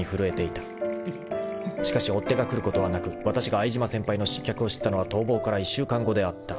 ［しかし追っ手が来ることはなくわたしが相島先輩の失脚を知ったのは逃亡から１週間後であった］